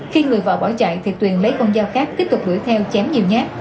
khi người vợ bỏ chạy thì tuyền lấy con dao khác kích thúc đuổi theo chém nhiều nhát